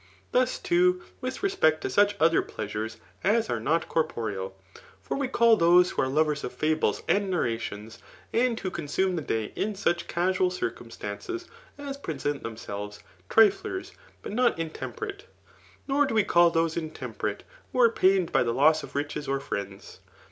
Thus too, with respect to such other pleasures as are not corporeal } for we call those who are lovers of fables and narrations, and who consume the day in such casual circumstances as present themselves, triflers, but not intemperate. Nor do we call those intemperate who are pained by the loss of riches or friends.